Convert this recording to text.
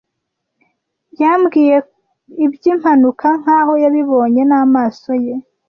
Yambwiye iby'impanuka nkaho yabibonye n'amaso ye.